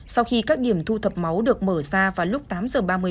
sau khi các điểm thu thập máu được mở ra vào lúc tám h ba mươi